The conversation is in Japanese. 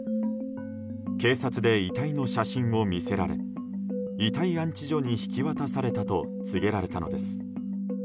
警察で遺体の写真を見せられ遺体安置所に引き渡されたと告げられたのです。